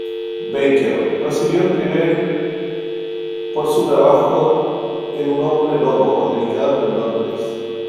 Baker recibió el primer por su trabajo en "Un Hombre lobo americano en Londres.